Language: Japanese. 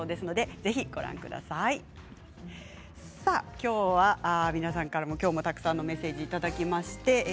きょうは皆さんからもたくさんメッセージをいただきました。